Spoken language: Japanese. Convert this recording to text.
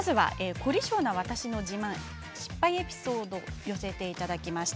凝り性な私の失敗エピソードを寄せていただきました。